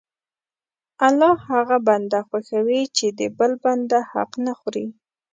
الله هغه بنده خوښوي چې د بل بنده حق نه خوري.